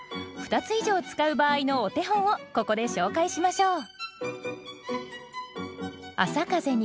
２つ以上使う場合のお手本をここで紹介しましょう。